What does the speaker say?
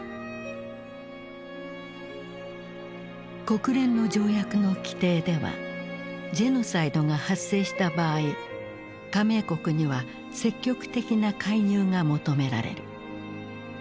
国連の条約の規定ではジェノサイドが発生した場合加盟国には積極的な介入が求められる。